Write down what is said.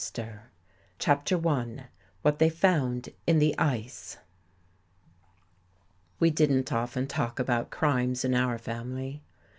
•■Vv CHAPTER I WHAT THEY FOUND IN THE ICE W E didn't often talk about crimes in our family.